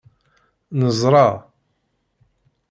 Neẓṛa.